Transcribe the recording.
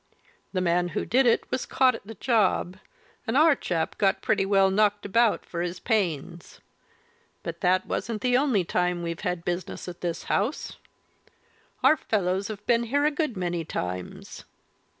The man who did it was caught at the job and our chap got pretty well knocked about for his pains. But that wasn't the only time we've had business at this house; our fellows have been here a good many times."